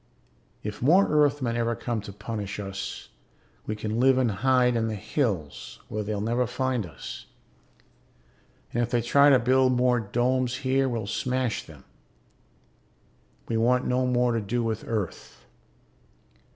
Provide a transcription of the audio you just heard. If more Earthmen ever come to punish us, we can live and hide in the hills where they'll never find us. And if they try to build more domes here we'll smash them. We want no more to do with Earth.